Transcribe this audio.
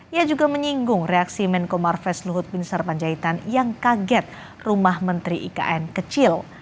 ia juga menyinggung reaksi menko marves luhut bin sarpanjaitan yang kaget rumah menteri ikn kecil